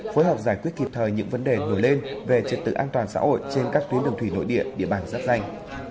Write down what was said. phối hợp giải quyết kịp thời những vấn đề nổi lên về trật tự an toàn xã hội trên các tuyến đường thủy nội địa địa bàn rất nhanh